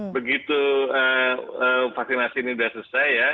begitu vaksinasi ini sudah selesai ya